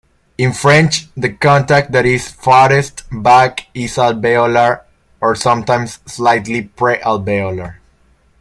In French, the contact that is farthest back is alveolar or sometimes slightly pre-alveolar.